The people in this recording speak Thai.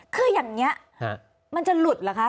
คืออย่างนี้มันจะหลุดเหรอคะ